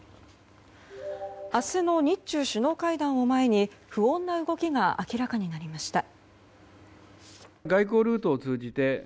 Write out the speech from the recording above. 明日の日中首脳会談を前に不穏な動きが明らかになりました。